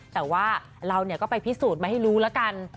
แต่ว่าเราก็ไปพิสูจน์มาให้รู้แล้วกัน